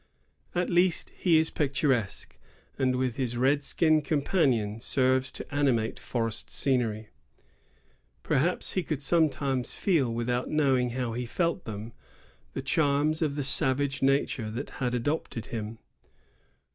At least, he is picturesque, and with his red skin companion serves to animate forest scenery. Perhaps he could sometimes feel, without knowing that he felt them, the charms of the savage nature that had adopted him.